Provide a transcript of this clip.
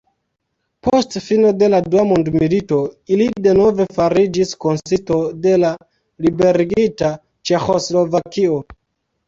Post fino de la dua mondmilito ili denove fariĝis konsisto de la liberigita Ĉeĥoslovakio.